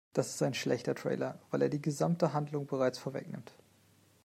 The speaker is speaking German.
Das ist ein schlechter Trailer, weil er die gesamte Handlung bereits vorwegnimmt.